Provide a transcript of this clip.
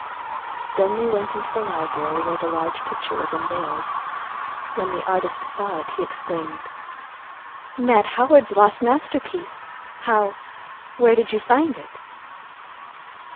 Then they went into the library, where the large picture was unveiled. When the artist saw it, he exclaimed, "Mad Howard's lost masterpiece! How—where did you find it?"